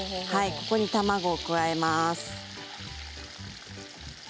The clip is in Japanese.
ここに卵を加えます。